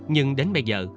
nhưng đến bây giờ